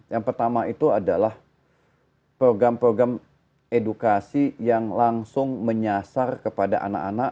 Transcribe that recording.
yang pertama itu adalah program program edukasi yang langsung menyasar kepada anak anak